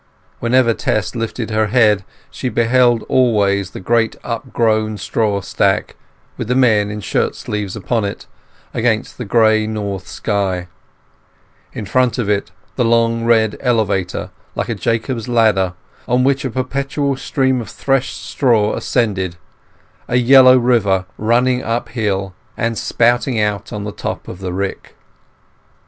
Whenever Tess lifted her head she beheld always the great upgrown straw stack, with the men in shirt sleeves upon it, against the gray north sky; in front of it the long red elevator like a Jacob's ladder, on which a perpetual stream of threshed straw ascended, a yellow river running uphill, and spouting out on the top of the rick.